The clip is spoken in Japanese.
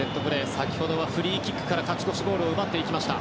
先ほどはフリーキックから勝ち越しゴールを奪いました。